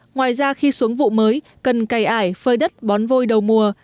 ngoài ra khi xuống vụ mới cần cày ải phơi đất bón vôi đầu mùa